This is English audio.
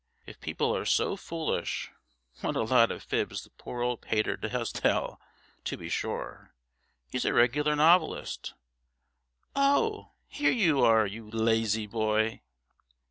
If people are so foolish What a lot of fibs the poor old pater does tell, to be sure! He's a regular novelist Oh! here you are, you lazy boy!'